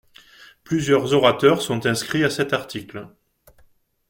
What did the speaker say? Plusieurs orateurs sont inscrits à cet article.